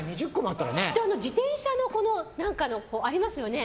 自転車の何かありますよね。